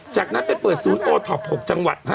จากนั้นไปเปิดศูนย์โอท็อป๖จังหวัด